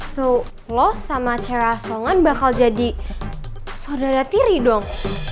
so los sama cerah songan bakal jadi saudara tiri dong